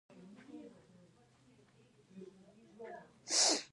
د شکر په ادا کولو نعمت زیاتیږي.